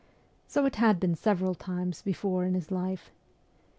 So it had been several times before in his life.